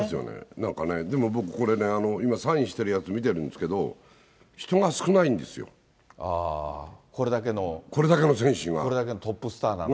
なんかね、でも僕これね、今、サインしてるやつ見てるんですけど、人が少なこれだけの。これだけのトップスターなのに？